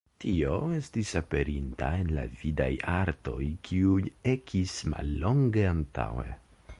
Tio estis aperinta en la vidaj artoj kiuj ekis mallonge antaŭe.